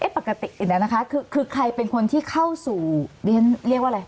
ปกติอยู่แล้วนะคะคือใครเป็นคนที่เข้าสู่เรียนเรียกว่าอะไร